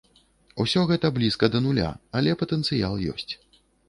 Усё гэта блізка да нуля, але патэнцыял ёсць.